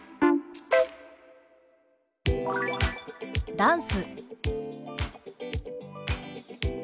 「ダンス」。